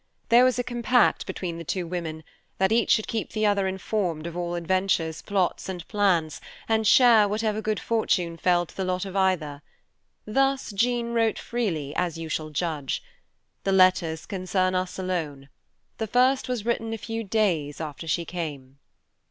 There was a compact between the two women, that each should keep the other informed of all adventures, plots and plans, and share whatever good fortune fell to the lot of either. Thus Jean wrote freely, as you shall judge. The letters concern us alone. The first was written a few days after she came.